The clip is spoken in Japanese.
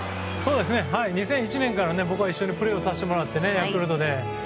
２００１年から僕は一緒にプレーさせてもらってヤクルトで。